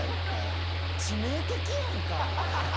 致命的やんか。